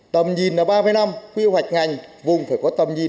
tầm nhìn là ba mươi năm quy hoạch ngành vùng phải có tầm nhìn